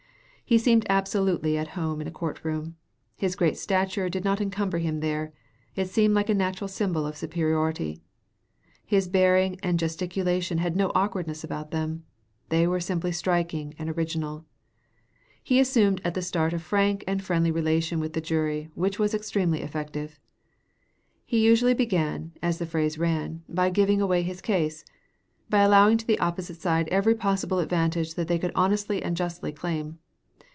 He seemed absolutely at home in a court room; his great stature did not encumber him there; it seemed like a natural symbol of superiority. His bearing and gesticulation had no awkwardness about them; they were simply striking and original. He assumed at the start a frank and friendly relation with the jury which was extremely effective. He usually began, as the phrase ran, by "giving away his case"; by allowing to the opposite side every possible advantage that they could honestly and justly claim.